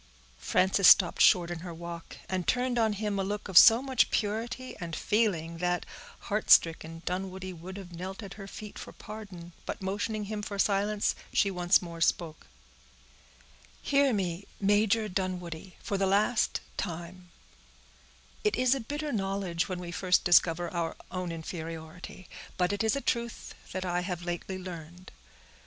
Frances stopped short in her walk, and turned on him a look of so much purity and feeling, that, heart stricken, Dunwoodie would have knelt at her feet for pardon; but motioning him for silence, she once more spoke:— "Hear me, Major Dunwoodie, for the last time: it is a bitter knowledge when we first discover our own inferiority; but it is a truth that I have lately learned.